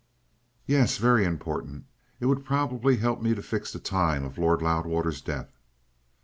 "Yes; very important. It would probably help me to fix the time of Lord Loudwater's death."